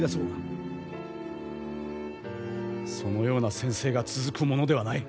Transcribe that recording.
そのような専制が続くものではない。